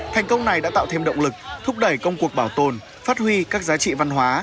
thành công này đã tạo thêm động lực thúc đẩy công cuộc bảo tồn phát huy các giá trị văn hóa